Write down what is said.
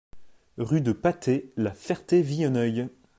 Rue de Patay, La Ferté-Villeneuil